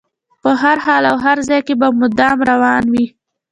په هر حال او هر ځای کې به مدام روان وي.